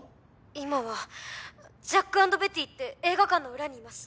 今は「ジャックアンドベティ」って映画館の裏にいます。